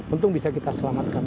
untung bisa kita selamatkan